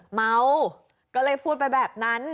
เมาก็เลยพูดไปแบบนั้น